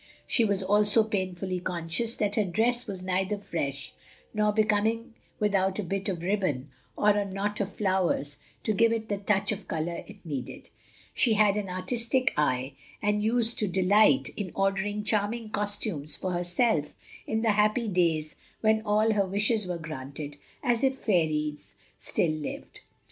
She was also painfully conscious that her dress was neither fresh nor becoming without a bit of ribbon or a knot of flowers to give it the touch of color it needed. She had an artistic eye, and used to delight in ordering charming costumes for herself in the happy days when all her wishes were granted as if fairies still lived.